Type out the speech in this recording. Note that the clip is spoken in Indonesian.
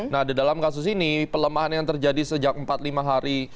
nah di dalam kasus ini pelemahan yang terjadi sejak empat lima hari